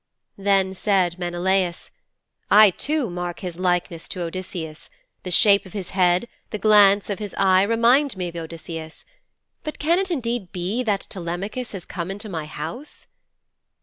Then said Menelaus, 'I too mark his likeness to Odysseus. The shape of his head, the glance of his eye, remind me of Odysseus. But can it indeed be that Telemachus has come into my house?'